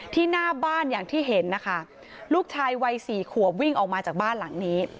หน้าบ้านอย่างที่เห็นนะคะลูกชายวัยสี่ขวบวิ่งออกมาจากบ้านหลังนี้